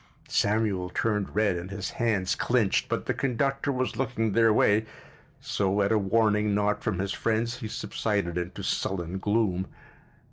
Samuel turned red and his hands clinched, but the conductor was looking their way, so at a warning nod from his friends he subsided into sullen gloom.